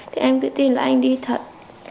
thì em cứ tin là anh đi thật